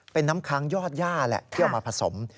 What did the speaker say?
เป็นน้ำค้างยอดย่าแหละที่เอามาผสม